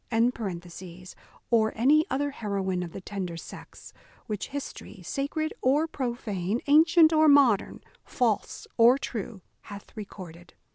] or any other heroine of the tender sex, which history, sacred or profane, ancient or modern, false or true, hath recorded.